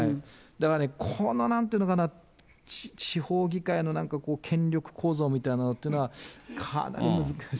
だから、このなんというのかな、地方議会のなんかこう、権力構造みたいなのってのはかなり難しい。